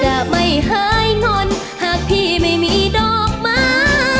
จะไม่เคยงอนหากพี่ไม่มีดอกมา